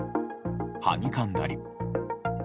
はにかんだり。